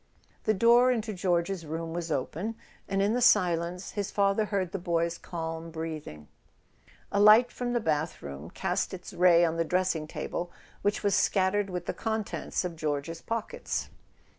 The door into George's room was open, and in the silence the father heard the boy's calm breathing. A [ 50 ] A SON AT THE FRONT light from the bathroom cast its ray on the dressing table, which was scattered with the contents of George's pockets.